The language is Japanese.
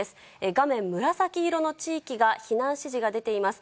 画面、紫色の地域が避難指示が出ています。